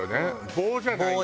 棒じゃないよね。